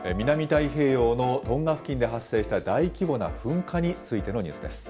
南太平洋のトンガ付近で発生した大規模な噴火についてのニュース